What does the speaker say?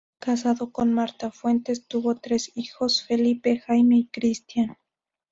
Casado con Marta Fuentes, tuvo tres hijos: Felipe, Jaime y Cristián.